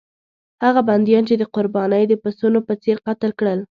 هغه بندیان یې د قربانۍ د پسونو په څېر قتل کړل.